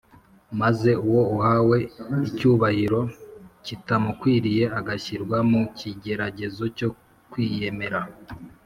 . Maze uwo uhawe icyubahiro kitamukwiriye agashyirwa mu kigeragezo cyo kwiyemera